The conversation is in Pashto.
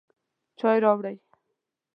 چای راوړئ